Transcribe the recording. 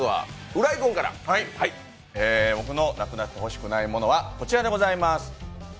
僕の無くなってほしくないものはこちらでございます。